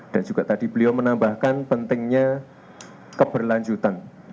dan juga tadi beliau menambahkan pentingnya keberlanjutan